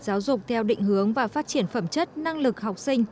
giáo dục theo định hướng và phát triển phẩm chất năng lực học sinh